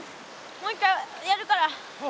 もう一回やるから。